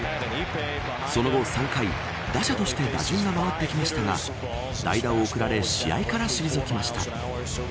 その後、３回打者として打順が回ってきましたが代打を送られ試合から退きました。